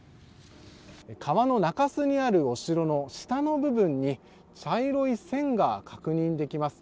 川の中州にあるお城の下の部分に茶色い線が確認できます。